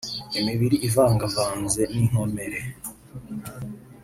Imibiri ivangavanze n’inkomere